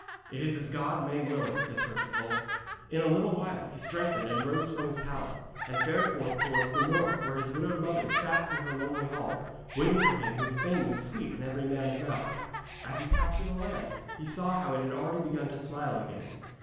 'It is as God may will it,' said Perceval. In a little while he strengthened and rose from his pallet, and fared forth towards the north where his widowed mother sat in her lonely hall, waiting for him whose fame was sweet in every man's mouth. As he passed through the land, he saw how it had already begun to smile again.